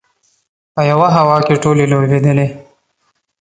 په یوه هوا کې ټولې لوبېدلې.